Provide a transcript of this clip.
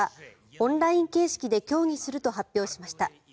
オンライン形式で協議すると発表しました。